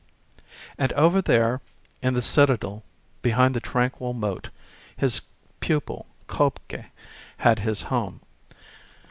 And over there in the Citadel behind the tranquil moat his pupil, K0bke, had his home.